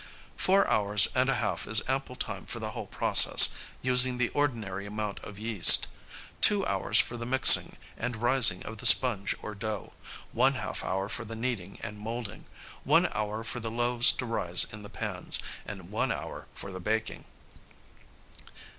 Four hours and a half is ample time for the whole process, using the ordinary amount of yeast; two hours for the mixing and rising of the sponge or dough; one half hour for the kneading and molding; one hour for the loaves to rise in the pans, and one hour for the baking.